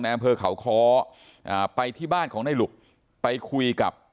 อำเภอเขาค้อไปที่บ้านของในหลุกไปคุยกับ